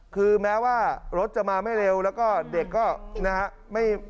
คือแม้ว่ารถจะมาไม่เร็วแล้วก็เด็กก็นะฮะ